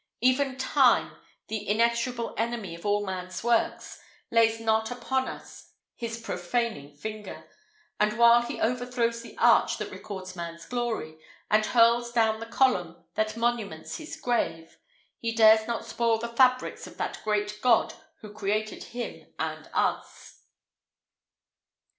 Even Time, the inexorable enemy of all man's works, lays not upon us his profaning finger; and while he overthrows the arch that records man's glory, and hurls down the column that monuments his grave, he dares not spoil the fabrics of that great God who created him and us."